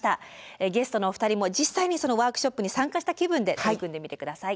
ゲストのお二人も実際にそのワークショップに参加した気分で取り組んでみて下さい。